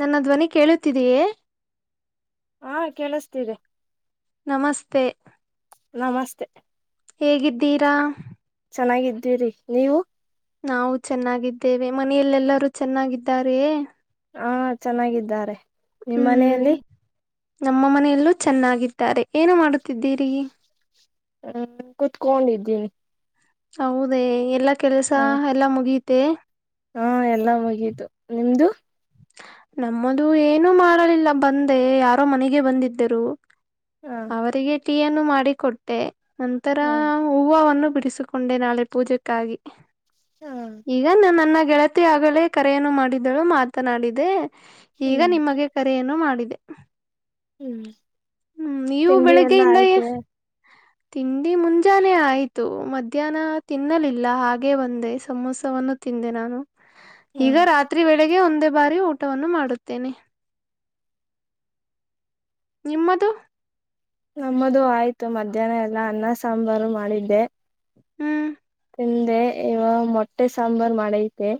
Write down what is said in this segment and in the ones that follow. ನನ್ನ ಧ್ವನಿ ಕೇಳುತ್ತಿದೆಯೇ ಹಾ ಕೇಳಿಸ್ತಿದೆ ನಮಸ್ತೆ ನಮಸ್ತೆ ಹೇಗಿದ್ದೀರಾ ಚೆನ್ನಾಗಿದ್ದೀರಿ ನೀವು ನಾವು ಚೆನ್ನಾಗಿದ್ದೇವೆ ಮನಲ್ಲಲ್ಲರೂ ಚೆನ್ನಾಗಿದ್ದಾರೇಯೇ ಹಾ ಚೆನ್ನಾಗಿದ್ದಾರೆ ನಿಮ್ಮ ಹ್ಮ್ ಮನೆಯಲ್ಲಿ ನಮ್ಮ ಮನೆಯಲ್ಲೂ ಚೆನ್ನಾಗಿದ್ದಾರೆ ಏನು ಮಾಡುತ್ತಿದ್ದೀರಿ. ಹ್ಮ್ ಕುತ್ಕೊಂಡಿದ್ದೀನಿ. ಹೌದೇ ಎಲ್ಲಾ ಕೆಲ್ಸ ಎಲ್ಲಾ ಮುಗಿತೆೆ. ಹಾ ಎಲ್ಲಾ ಮುಗಿತು ನಿಮ್ದು. ನಮ್ಮದು ಏನುೂ ಮಾಡಲಿಲ್ಲ ಬಂದೆ ಯಾರೋ ಮನೆಗೆ ಬಂದಿದ್ದರು. ಹ ಅವರಿಗೆ ಟೀಯನ್ನು ಮಾಡಿಕೊಟ್ಟೆ ನಂತರ ಹ ಹೂವವನ್ನು ಬಿಡಿಸಿಕೊಂಡೆ ನಾಳೆ ಪೂಜೆಕ್ಕಾಗಿ ಹ ಈಗ ನನ್ನನ್ನ ಗೆಳತಿ ಆಗಲೇ ಕರೆಯನ್ನು ಮಾಡಿದಳು ಮಾತನಾಡಿದೆ ಈಗ ಹ್ಮ್ ನಿಮಗೆ ಕರೆಯನ್ನು ಮಾಡಿ [inaudible] ಹ್ಮ್ ಹ್ಮ್ ನೀವು ತಿಂಡಿ ಎಲ್ಲ ಬೆಳಗ್ಗೆಯಿಂದ ಎ ಆಯ್ತು ತಿಂಡಿ ಮುಂಜಾನೆ ಆಯ್ತು ಮಧ್ಯಾಹ್ನ ತಿನ್ನಲಿಲ್ಲ ಹಾಗೆ ಬಂದೆ ಸಮೋಸವನ್ನು ತಿ ದೆ ನಾನು ಹ ಈಗ ರಾತ್ರಿ ವೇಳೆಗೆ ಒಂದೇ ಬಾರಿ ಊಟವನ್ನು ಮಾಡುತ್ತೇನೆ. ನಿಮ್ಮದು ನಮ್ಮದು ಆಯ್ತು ಮಧ್ಯಾಹ್ನ ಎಲ್ಲ ಅನ್ನ ಸಾಂಬಾರು ಮಾಡಿದ್ದೆ ಹ್ಮ್ ಹಿಂದೆ ಇವ ಮೊಟ್ಟೆ ಸಾಂಬಾರ್ ಮಾಡೈತೆ.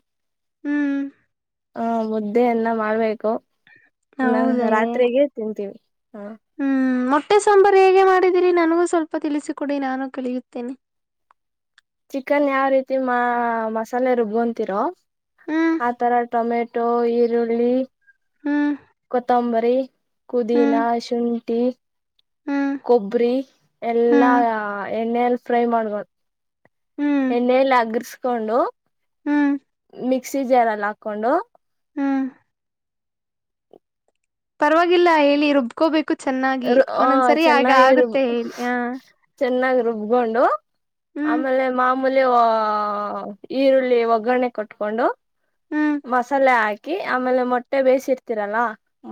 ಹ್ಮ್ ಹಾ ಮುದ್ದೆಯನ್ನ ಮಾಡ್ಬೇಕು ನ ಹೌದೇ ರಾತ್ರಿಗೆ ತಿಂತೀವಿ. [inaudible] ಹೊಟ್ಟೆ ಸಾಂಬಾರು ಹೇಗೆ ಮಾಡಿದಿರಿ ನನಗೂ ಸ್ವಲ್ಪ ತಿಳಿಸಿಕೊಡಿ ನಾನು ಕಳಿಯುತ್ತೇನೆ. ಚಿಕನ್ ಯಾವ ರೀತಿ ಮಸಾಲೆ ರುಬ್ಂತೀರೋ ಹ್ಮ್ ಆತರ ಟೊಮೆಟ ಟೋ ಈರುಳ್ಳಿ ಹ್ಮ್ ಕೊತ್ತಂಬರಿ ಹ್ಮ್ ಕುದೀನಾ ಶುಂಠಿ ಹ್ಮ್ ಕೊಬ್ಬರಿ ಎಲ್ಲಾ ಹ್ಮ್ ಎಣ್ಣೆಯಲ್ಲಿ ಫ್ರೈ ಮಾಡ್ಬಾರು ಹ್ಮ್ ಎಣ್ಣೆಯಲ್ಲಿ ಅಗರ್ಸ್ಕೊಂಡು ಹ್ಮ್ ಮಿಕ್ಸಿ ಜರಲ್ಲಿ ಹಾಕೊಂಡು. ಹ್ಮ್ ಪರವಾಗಿಲ್ಲ ಹೇಳಿ ರುಬ್ಕೋಬೇಕು ಚೆನ್ನಾಗಿ ಒಂದೊಂದ್ಸರಿ ಆಗ ಚೆನ್ನಾಗಿ ರುಬ್ ಆಗುತ್ತೆ ಹೇಳಿ ಆ ಚೆನ್ನಾಗಿ ರುಬ್ಕೊಂಡು ಆಮೇಲೆ ಮಾ ಮಲೆ ಈರುಳ್ಳಿ ಒಗ್ಗರಣೆ ಕಟ್ಟಟ್ಕೊಂಡು ಹ್ಮ್ ಮಸಾಲೆ ಹಾ ಹಾಕಿ ಆಮೇಲೆ ಮೊಟ್ಟೆ ಬೇಯಿಸಿರ್ತೀರಲ್ಲ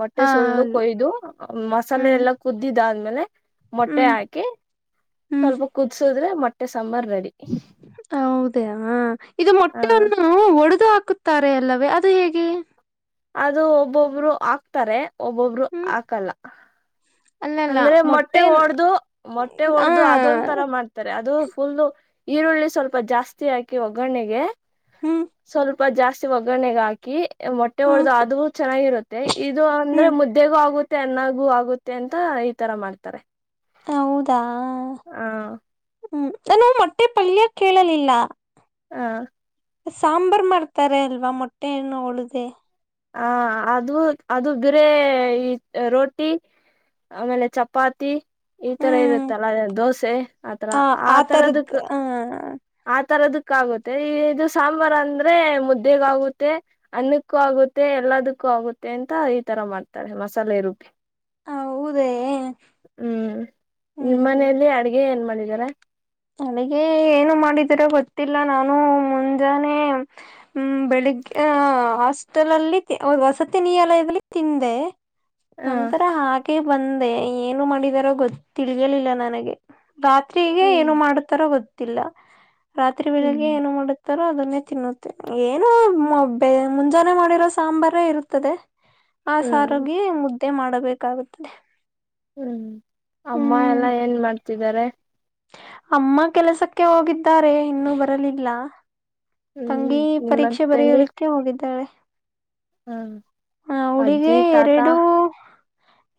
ಮೊಟ್ಟೆ ಹಾ ಸುಲ್ದು ಹೌದು ಕೊಯ್ದು ಮೊಸಲೆ ಹ್ಮ್ ಎಲ್ಲ ಕುದ್ದಿದ್ ಆದ್ಮೇಲೆ ಮೊಟ್ಟೆ ಹ್ಮ್ ಹಾಕಿ ಹ್ಮ್ ಸ್ವಲ್ಪ ಕುದ್ಸಿದ್ರೆ ಮೊಟ್ಟೆ ಸಾಂಬಾರ್ ರೆಡಿ ಹೌದಾ ಇದು ಹ ಮೊಟ್ಟೆಯನ್ನು ಒಡೆದು ಹಾಕ ಹಾಕುತ್ತಾರೆ ಅಲ್ಲವೇ ಅದು ಹೇಗೆ ಅದು ಒಬ್ಬೊಬ್ರು ಆಕ್ತಾರೆ ಒಬ್ಬೊಬ್ರು ಹ್ಮ್ ಹಾಕಲ್ಲ. ಅಂದ್ರೆ ಮೊಟ್ಟೆ ಒಡ್ದು ಮೊಟ್ಟೆ ಹ ಒಡ್ದು ಅದೊಂದ ತರ ಮಾಡ್ತಾರೆ ಅದು ಫುಲ್ಲು ಈರುಳ್ಳಿ ಸ್ವಲ್ಪ ಜಾಸ್ತಿ ಹಾಕಿ ಒಗ್ಗರಣೆಗೆ ಹ್ಮ್ ಸ್ವಲ್ಪ ಜಾಸ್ತಿ ಒಗ್ಗರಣೆೆಗೆ ಹಾಕಿ ಮೊಟ್ಟೆ ಹ್ಮ್ ಹೊಡೆದ್ ಅದು ಚೆನ್ನಾಗಿರುತ್ತೆ ಇದು ಅಂದ್ರೆ ಹ್ಮ್ ಮುದ್ದೆಗೂ ಆಗುತ್ತ ಚೆನ್ನಾಗು ಆಗುತ್ತೆ ಅಂತ ಈ ತರ ಮಾಡ್ತಾರೆ ಹೌದಾ ಹ ಹ್ಮ್ ನಾನು ಮೊಟ್ಟೆ ಪಲ್ಯ ಕೇಳಲಿಲ್ಲ. ಹಾ ಸಾಂಬಾರ್ ಮಾಡ್ತಾರೆ ಅಲ್ವಾ ಮೊಟ್ಟೆನ್ನು ಹೊಡ್ದಿ ಹ ಅದು ಅದು ಗರೆ ಈ ರೋಟಿ ಆಮೇಲೆ ಚಪಾತಿ ಈ ತರ ಹ್ಮ್ ಇರುತ್ತಲ್ಲ ಅ ದೋಸೆ ಆತರ ಆ ತರದಕ್ ಆ ತರದ್ ಕ್ಕ ಆಗುತ್ತೆ ಈ ಇದು ಸಾಂಬಾರ್ ಅಂದ್ರೆ ಮುದ್ದೆಗ್ ಆಗುತ್ತೆ ಅನ್ನಕ್ಕೂ ಆಗುತ್ತೆ ಮೆ ಎಲ್ಲದಕ್ಕೂ ಆಗುತ್ತೆ ಅಂತ ಈ ತರ ಮಾಡ್ತಾಳೆ ಮಸಾಲೆ ರುಬ್ಬಿ. ಹೌದೇ ಹ್ಮ್ ನಿಮ್ಮ ಮನೆಯಲ್ಲಿ ಅಡ್ಗೆ ಏನ್ ಮಾಡ್ ಯರ [unintelligible] ನನಗೆ ಏನು ಮಾಡಿದಿರೆ ಗೊತ್ತಿಲ್ಲ ನಾನು ಮುಂಜಾನೆ ಹ್ಮ ಬೆಳಿಗೆ ಹಾಸ್ಟೆಲ್ ಅಲ್ಲಿ ವಸತಿ ನಿಲಯದಲ್ಲಿ ತಿಂದೆ ಹ ನಂತರ ಹಾಗೆ ಬಂದೆ ಏನು ಮಾಡಿದಾರೋ ಗೊತ್ತ್ ತಿಳಿಯಲಿಲ್ಲ ನನಗೆ. ರಾತ್ರಿಗೆ ಹ್ಮ್ ಏನು ಮಾಡುತ್ತಾರೆ ಗೊತ್ತಿಲ್ಲ ರಾತ್ರಿ ಬೆಳ್ಳಿಗೆ ಹ್ಮ್ ಏನು ಮಾಡುತ್ತ್ ರ ಅದನ್ನೇ ತಿನ್ನುತ್ತೇ ಏನೋ ಬೆ ಮುಂಜಾನೆ ಮಾಡಿರೋ ಸಾಂಬಾರೇ ಇರುತ್ತದೆ. ಆ ಹ್ಮ್ ಸಾರುಗಿ ಮುದ್ದೆ ಮಾಡಬೇಕಾಗುತ್ತದೆ. ಹ್ಮ್ ಅಮ್ಮ ಹ್ಮ್ ಎಲ್ಲಾ ಏನ್ ಮಾಡ್ತಿದ್ದಾರೆ? ಅಮ್ಮ ಕೆಲಸಕ್ಕೆ ಹೋಗಿದ್ದಾರೆ ಇನ್ನೂ ಬರಲಿಲ್ಲ. ಹ್ಮ್ ತಂಗಿ ನಿಮ್ಮ ಪರೀಕ್ಷೆ ತಂಗಿ ಬರಿಯಲಿಕ್ಕೆ ಹೋಗಿದ್ದಾಳೆ. ಅವಳಿಗೆ ಅಜ್ಜಿ ತಾತ ಎರಡೂ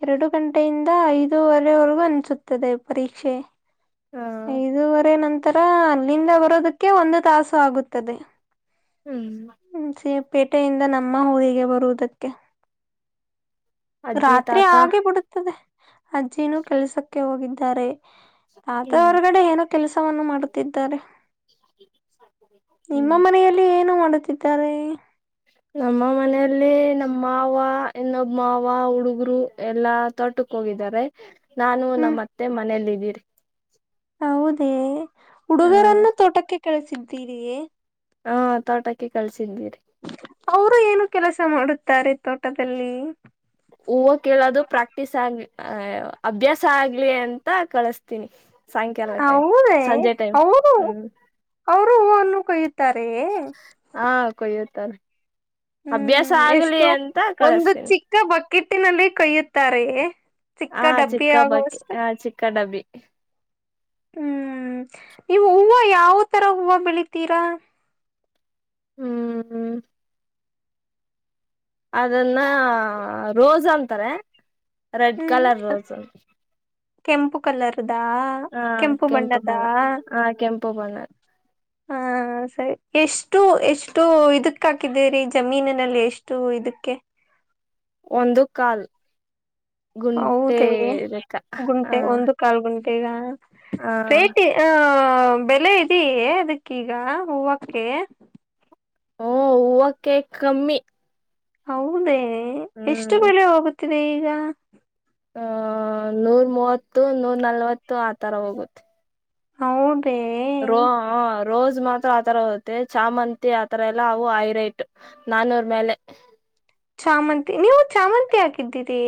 ಎರಡು ಗಂಟೆಯಿಂದ ಐದೂವರೆ ವರೆಗೂ ಅನ್ಸುತ್ತದೆ ಪರೀಕ್ಷೆ. ಹಾ ಐದೂವರೆ ನಂತರ ಅಲ್ಲಿಂದ ಬರೋದಕ್ಕೆ ಒಂದು ತಾಸು ಆಗುತ್ತದೆ. ಹ್ಮ್ ಪೇಟೆಯಿಂದ ನಮ್ಮ ಊರಿಗೆ ಬರುವುದಕ್ಕೆ‌. ಅಜ್ಜಿ ರಾತ್ರಿ ತಾತ ಆಗೇ ಬಿಡುತ್ತದೆ ಅಜ್ಜಿನೂ ಕೆಲಸಕ್ಕೆ ಹೋಗಿದ್ದಾರೆ. ತಾತ ಹ್ಮ್ ಹೊರಗಡೆ ಏನೋ ಕೆಲಸವನ್ನು ಮಾಡುತ್ತಿದ್ದಾರೆ. ನಿಮ್ಮ ಹ್ಮ್ ಮನೆಯಲ್ಲಿ ಏನು ಮಾಡುತ್ತಿದ್ದಾರೆ? ನಮ್ಮ ಮನೆಯಲ್ಲಿ ನಮ್ಮ ಮಾವ ಇನ್ನೊಬ್ ಮಾವ ಹುಡುಗರು ಎಲ್ಲಾ ತೋಟಕ್ ಕ್ಕೆ ಹೋಗಿದ್ದಾರೆ ನಾನು ಹ್ಮ್ ನಮ್ಮತ್ತೆ ಮನೆಲ್ಲಿ ಇದ್ದೀವಿ. ಹೌದೇ ಹ ಹುಡುಗರೆಲ್ಲಾ ತೋಟಕ್ಕೆ ಕಳಿಸಿದ್ದೀರಿಯೇ? ಹಾ ತೋಟಕ್ಕೆ ಕಳಿಸಿದೀರಿ. ಅವರು ಏನು ಕೆಲಸ ಮಾಡುತ್ತಾರೆ ತೋಟದಲ್ಲಿ? ಹೂವ ಕೀಳೋದು ಪ್ರಾಕ್ಟೀಸ್ ಆಗ್ಲಿ ಹೂ ಅಭ್ಯಾಸ ಆಗ್ಲಿ ಅಂತ ಕಳಸ್ತೀನಿ. ಸಾಂಕ್ಯಾಲ ಟೈಮ್ ಹೌದೇ ಸಂಜೆ ಟೈಮ್ ಅವರು ಹ್ಮ್ ಅವರು ಹೂವನ್ನು ಕೊಯ್ಯುತ್ತಾರೆ ಹಾ ಕೊಯುತ್ತಾರೆ ಅಭ್ಯಾಸ ಹ್ಮ್ ಆಗ್ಲಿ ಅಂತ ಕಳಸ್ತೀನಿ. ಕಿಟ್ಟಿನಲ್ಲಿ ಕೈಯುತ್ತಾರೆಯೇ. ಹ ಚಿಕ್ಕ ಹಬ್ಬಕ್ಕೆ ಹ ಚಿಕ್ಕ ಡಬ್ಬಿ ಹ್ಮ್ ಈ ಹೂವ ಯಾವ ತರ ಹೂವ ಬೆಳಿತೀರಾ? ಹ್ಮ್ ಹ್ಮ ಅದನ್ನ ರೋಸ್ ಅಂತಾರೆ ರೆಡ್ ಹ್ಮ್ ಕಲರ್ ರೋಸ್ ಕೆಂಪು ಕಲರ್ ಹಾ ಕೆಂಪು ಕಲರ ಹಾ ಕೆಂಪು ಬಣ್ಣದ್ ಹ ಹ ಹ ಸರಿ ಎಷ್ಟು ಎಷ್ಟು ಇದಕ್ಕ ಹಾಕಿದ್ದೀರಿ ಜಮೀನಿನಲ್ಲಿ ಎಷ್ಟು ಇದಿಕ್ಕೆ ಒಂದು ಕಾಲ್ ಗುಂಟೆ ಹೌದೇ ಲೆಕ್ಕ ಹ ಗುಂಟೆ ಒಂದು ಕಾಲ್ ಗುಂಟ್ ತೇಗ ಹ ಪೇಟಿ ಆ ಹ ಬೆಲೆ ಇದೀಯೆ ಅದಕ್ಕೀಗ ಹೂವಕ್ಕೆ ಓ ಹೂವಕ್ಕೆ ಕಮ್ಮಿ. ಹೌದೇ ಎಷ್ಟು ಹ್ಮ್ ಬೆಳೆ ಹೋಗುತ್ತಿದೆ ಈಗ. ಹ ನೂರ್ ಮೂವತ್ತು ನೂರ್ ನಲ್ವತ್ತು ಆತರ ಹೋಗುತ್ತೆ. ಹೌದೇ ರೋ ಹ ರೋಸ್. ಇದ್ ಮಾತ್ರ ಆತರ ಹೊತ್ತೆ ಚಾಮಂತಿ ಆತರ ಎಲ್ಲಾ ಅವು ಐರೈಟ್ ನಾನೂರ್ ಮೇಲೆ. ಚಾಮಂತಿ ನೀವು ಚಾಮಂತಿ ಹಾಕಿದ್ದೀರಿ.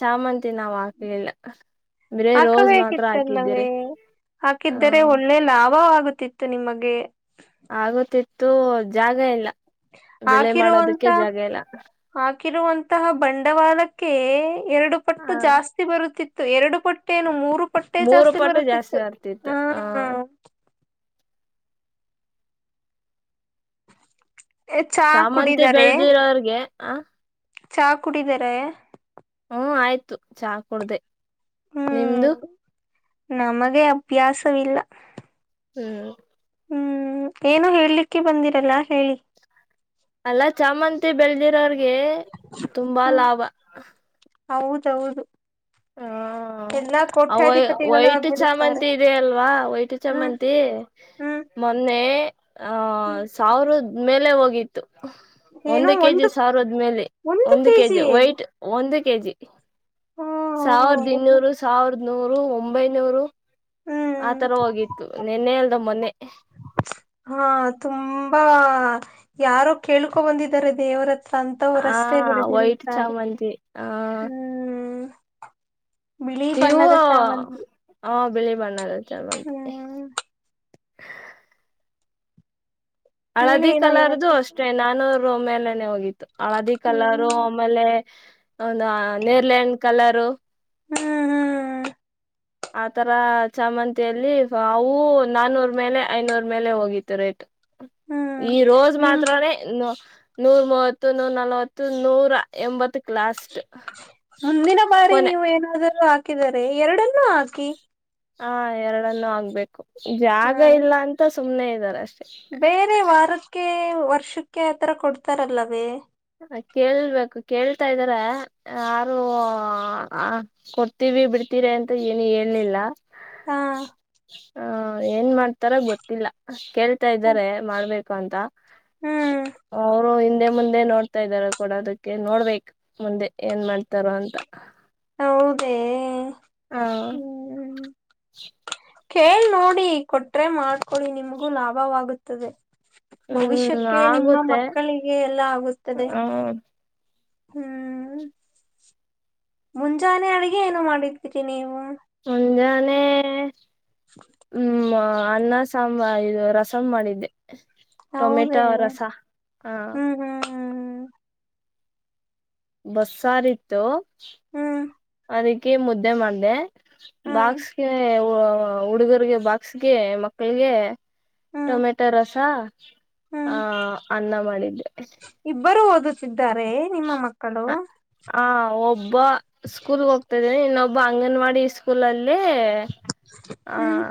ಚಾಮಂತಿ ನಾವ್ ಹಾಕ್ಲಲ್ಲಿ. ಹಾಕಬೇಕಿತ್ತಲ್ಲವೇ ಹ ಹಾಕಿದ್ದರೆ ಒಳ್ಳೆ ಲಾಭವಾಗುತ್. ತಿತ್ತು ನಿಮಗೆ. ಇತ್ತು ಜಾಗ ಇಲ್ಲ ಬೆಳೆ ಹಾಕಿರುವಂತ ಮಾಡೋದಕ್ಕೆ ಜಾಗ ಇಲ್ಲ ಹಾಕಿರುವಂತಹ ಬಂಡವಾಳಕ್ಕೆ. ಎರಡು ಹ ಪಟ್ಟು ಜಾಸ್ತಿ ಬರುತ್ತಿತ್ತು ಎರಡು ಪಟ್ಟು. ಪಟ್ಟೇನು ಮೂರು ಪಟ್ಟೆ ಮೂರು ಜಾಸ್ತಿ ಪಟ್ಟು ಬರುತ್ತಿತ್ತು ಜಾಸ್ತಿ ಹ. ಆಗ್ತಿತ್ತು ಚಾ ಚಾಮಂತಿ ಕುಡಿದರೆ ಬೆಳದಿರ ಅವ್ರಗೆ ಆ. ಚಾ ಕುಡಿದಾರ. ಹೂ ಆಯ್ತು ಚಾ ಕುೂಡ್ದ ನಿಮ್ದು. ಹ್ಮ್ ನಮಗೆ ಅಭ್ಯಾಸವಿಲ್ಲ. ಹೂ ಹೂ ಏನು ಹೇಳೇಲಿಕ್ಕೆ ಬಂದಿರಲ್ಲ ಹೇಳಿ. ಅಲ್ಲ ಚಾಮಂತಿ ಬೆಳದಿರೋರ್ಗೆ ತುಂಬಾ ಹ್ಮ್ ಲಾಭ. ಹೌದೌದು. ಎಲ್ಲಾ ಅವ ಕೋಟ್ಯಾಧಿಪತಿಗಳು ವೈಟ್ ಆಗ್ಬಿಡುತ್ತಾರೆ ಚಾಮಂತಿ ಇಡೀ ಅಲ್ವಾ ವೈಟ್ ಹ್ಮ್ ಚಾಮಂತಿ. ಹ್ಮ್ ಮೊನ್ನೆ ಆಹ ಹ್ಮ್ ಸಾವಿರದ ಮೇಲೆ ಹೋಗಿತ್ತು. ಒಂದು ಕೆಜಿ ಸಾರದ್ಮೇಲೆ ಒಂದು ಕೆಜಿ ವೈಟ್ ಒಂದು. ಕೆಜಿ. ಸಾವಿರದ ಹ್ಮ್ ಇನ್ನೂರು ಸಾವಿರದ ನೂರು ಒಂಬೈನೂರು. ಹ್ಮ್ ಆತರ ಹೋಗಿತ್ತು ನಿನ್ನೆ ಅಲ್ದ ಮೊನ್ನೆ. ಹಾ ತುಂಬಾ ಯಾರು ಕೇಳ್ಕೊ ಬಂದಿದ್ದಾರೆ ದೇವರ. ಆ ಸ್ಂತವಊರಷ್ಟೇ ವೈಟ್ ಬೆಳೆದಿರುತ್ತಾರೆ ಚಾಮಂತಿ ಆ ಹೂ ನೀವು ಚಾಮಂತಿ ಹ ಬೆಳಿ. ಬ್ಣಾಗ ಚಂತ. ಹ್ಮ್ ಹೇಳಿ ಹಳದಿ ಏನೋ ಕಲರ್ದುು ಹೇಳಕ್ಕೆ ಅಷ್ಟೇ ನಾನೂರು ಮೇಲೆನೆ ಹೋಗಿತ್ತು ಹಳದಿ ಹ್ಮ್ ಕಲರು ಆಮೇಲೆ. ಹೌದಾ ನೆರ್ಲೆಯನ್ನಿಡು ಕಲರು. ಹೂ ಹೂ ಆತರ ಚಾಮಂತಿಯಲ್ಲಿ ಅವು ನಾನೂರ್ ಮೇಲೆ ಐನೂರ್ ಮೇಲೆ ಹೋಗಿತ್ತು ರೇಟ್. ಹ್ಮ್ ಈ ರೋಜ್ ನಿಮ್ ಮಾತ್ರಾನೇ ಇ. ನೂರ ಮೂವತ್ತು ನೂರ ನಲ್ವತ್ತು ನೂರ ಎಂಬತ್ತು. ಮುಂದಿನ ಬಾರಿ ಕೊನೆ ನೀವು ಏನಾದರೂ ಹಾಕಿದರೆ ಎರಡನ್ನು ಹಾಕಿ. ಹಾ ಎರಡನ್ನುೂ ಆಗ್ಬೇಕು ಹ ಜಾಗ ಇಲ್ಲ ಅಂತ ಸುಮ್ನೆ ಇದ್ದಾರೆ ಅಷ್ಟೇ. ಬೇರೆ ವಾರಕ್ಕೆ ವರ್ಷಕ್ಕೆ ಆತ್ರರ ಕೊಡ್ತಾರಲ್ಲವೇ. ಕೇಳ್ಬೇಕು ಕೇಳ್ತಾ ಇದಾರೆ ಯಾರು ಕೊಡ್ತೀವಿ ಬಿಡ್. ಹತೀರಾ ಅಂತ ಏನು ಹೇಲಿಲ್ಲ. ಹಾ ಹ ಏನ್ ಮಾಡ್ತಾರ ಗೊತ್ತಿಲ್ಲ ಕೇಳ್ತಾ ಇದ್ದಾರೆ ಮಾಡ್ಬೇಕು. ಅಂತ ಹ್ಮ್ ಅವರು ಹಿಂದೆ ಮುಂದೆ ನೋಡ್. ಹತಾ ಇದ್ದಾರ ಕೂಡ ಅದಕ್ಕೆ ನೋಡ್ಬೇಕೇಕ್ ಮುಂದೆ ಏನ್ ಮಾಡ್ತಾರೋ ಅಂತ. ಹೌದೇ. ಹಾ. ಹ್ಮ್ ಕೇಳ್ ನೋಡಿ ಕೊಟ್ರೆ ಮಾಡ್ಕೊಡಿ ನಿಮಗೂ ಲಾಭವಾಗುತ್ತದೆ. ಹ್ಮ್ ಭವಿಷ್ಯಕ್ಕೆ ನಿಮ್ಮ ಆಗುತ್ತೆ ಮಕ್ಕಳಿಗೆ ಎಲ್ಲ ಆಗುತ್ತದೆ. ಹ ಹ್ಮ್ ಮುಂಜಾನೆ ಅಡಗೆ ಏನೋ ಮಾಡಿದ್ದೀರಿ ನೀವು. ಮುಂಜಾನೆ ಹ್ಮ. ಅಣ್ಣ ಸಾಂಬಾರ್ ಇದ ರಸಂ ಮಾಡಿದ್ದೆ ಹೌದೇ ಟೊಮೆಟೊ ರಸಾ ಆ ಹ್ಮ್ ಹ್ಮ್ ಬಸ್ಸಾರ್ ಇತ್ತು ಹ್ಮ್ ಹ್ಮ್ ಅದಕ್ಕೆ ಮುದ್ದೆ ಮಾಡ್ದೆ ಹ್ಮ್ ಬಾಕ್ಸ್ ಗೆ ಹುಡುಗುರಿಗೆ ಬಾಕ್ಸ್ಗೆ ಮಕ್ಕಳಿಗೆ ಹ್ಮ್ ಹ್ಮ್ ಟೊಮೆಟೊ ರಸಾ ಹ್ಮ್ ಆ ಹಾ ಅನ್ನ ಮಾಡಿದ್ದೆ ಬರುವುದು ಸಿದ್ದ ಹಾ ಒಬ್ಬ ಸ್ಕೂಲ್ ಹೋಗ್ತಾ ಇದ್ದಾನೆ ಇನ್ನೊಬ್ ಒಬ್ಬ ಅಂಗನವಾಡಿ ಸ್ಕೂಲ್ ಅಲ್ಲಿ ಆ ಹ್ಮ್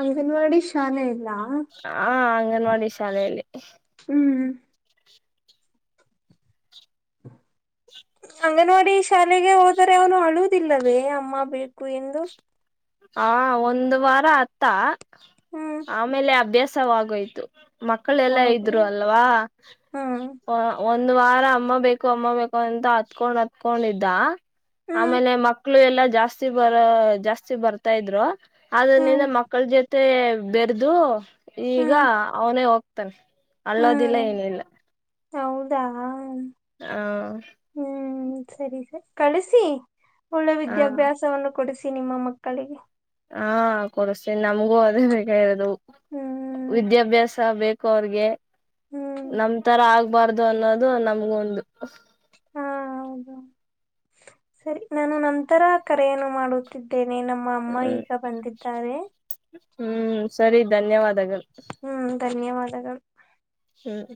ಅಂಗನವಾಡಿ ಶಾಲೆ ಇ ಹಾ ಅಂಗನವಾಡಿ ಶಾಲೆಯಲ್ಲಿ. ಹ್ಮ್ ಹ್ಮ [unintelligible] ಅಂಗನವಾಡಿ ಶಾಲೆಗೆ ಹೋದರೆ ಅವನು ಅಳುವುದಿಲ್ಲವೇ ಅಮ್ಮ ಬೇಕು ಎಂದು. ಹ ಒಂದು ವಾರ ಅತ್ತ ಹ್ಮ್ ಆಮೇಲೆ ಅಭ್ಯಾಸವಾಗೋಯ್ತು. ಮಕ್ಕಳ ಎಲ್ಲಾ ಹೌದು ಇದ್ರು ಅಲ್ವಾ ಹ್ಮ್ ಪೋ ಒಂದ್ ವಾರ ಅಮ್ಮ ಬೇಕು ಅಮ್ಮ ಬೇಕು ಅಂತ ಅತಕ್ಕೊಂಡ ಅತಕ್ಕೊಂಡ ಇದ್ದ ಹ್ಮ್ ಆಮೇಲೆ ಮಕ [unintelligible] ಲ್ಲಾ ಎಲ್ಲಾ ಜಾಸ್ತಿ ಬರ ಜಾಸ್ತಿ ಬರ [unintelligible] ತಾ ಇದ್ರು ಆದ್ರನಿಂದ ಹ್ಮ್ ಮಕ್ಕಳ ಜೊತೆ ಬೆರ್ದು ಈಗ ಹ್ಮ್ ಅವನೇ ಹೋಗ್ತಾನೆ ಅಳ್ಳೋದಿಲ್ಲ ಹ್ಮ್ ಏನಿಲ್ಲ. ಹೌದಾ ಹ ಹ್ಮ್ ಸರಿ ಸ ಕಳಸಿ ಒಳ್ಳೆ ಹ ವಿದ್ಯಾಭ್ಯಾಸವನ್ನು ಕೊಡಿಸಿ ನಿಮ್ಮ ಮಕ್ಕಳಿಗೆ. ಹಾ ಕೊಡಸ್ತೀನಿ ನಮಗೂ ಅದೇ ಬೇಕಾಗಿರೋದು ಹ್ಮ್ ವಿದ್ಯಾಭ್ಯಾಸ ಬೇಕ [unintelligible] ಕ್ ಅವ್ರಗೆ ಹ್ಮ್ ನಮ್ ತರ ಆಗ್ಬಾರ್ದು ಅನ್ನೋದು ನಮಗೊಂದು. ಹಾ ಹೌದ ಸರಿ ನಾನು ನಂತರ ಕರೆಯನ್ನು ಮಾಡುತ್ತಿದ್ದೇ. [unintelligible] ನೆ ನಮ್ಮ ಹ್ಮ್ ಅಮ್ಮಈಗ ಬಂದಿದ್ದಾರೆ. ಹ್ಮ್ ಸರಿ ಧನ್ಯವಾದಗಳು ಹ್ಮ್ ಧನ್ಯವಾದಗಳು ಹ್ಮ್.